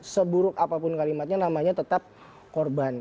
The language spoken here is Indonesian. seburuk apapun kalimatnya namanya tetap korban